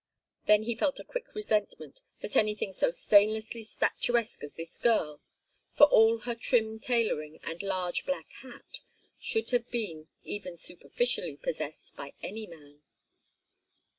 Then he felt a quick resentment that anything so stainlessly statuesque as this girl for all her trim tailoring and large black hat should have been even superficially possessed by any man.